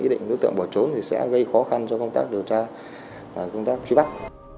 ý định đối tượng bỏ trốn thì sẽ gây khó khăn cho công tác điều tra và công tác truy bắt